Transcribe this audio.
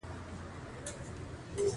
د فزیک هدف د کائنات پېژندل دي.